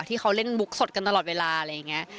ที่เขาเล่นมุกสดกันตลอดเวลาอะไรอย่างนี้